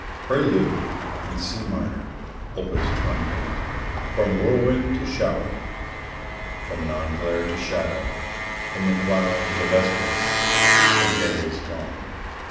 Prelude in C Minor, Opus 28. From whirlwind to shower, From noon glare to shadow, From the plough to the vesper, A day is gone.